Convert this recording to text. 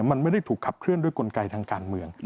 มันไม่ได้ถูกขับเคลื่อนด้วยกลไกทางการเมือง